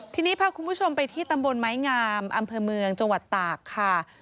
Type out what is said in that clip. ทีนี้พาคุณผู้ชมไปที่ตำบลไม้งามอำเภอเมืองจังหวัดตากค่ะ